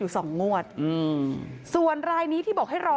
บูรค่าความเสียหายเป็น๕แสนบาทได้อะค่ะ